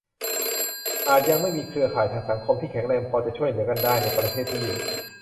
อาจยังไม่มีเครือข่ายทางสังคม ที่แข็งแรงพอจะช่วยเหลือกันได้ ในประเทศที่อยู่